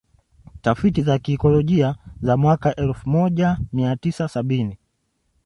Tafiti za kiikolojia za mwaka elfu moja mia tisa sabini